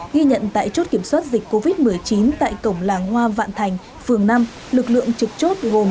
ghi nhận tại chốt kiểm soát dịch covid một mươi chín tại cổng làng hoa vạn thành phường năm lực lượng trực chốt gồm